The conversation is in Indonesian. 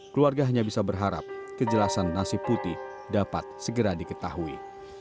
keluarga hanya bisa berharap kejelasan nasib putih dapat segera diketahui